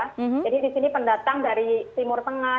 jadi disini pendatang dari timur tengah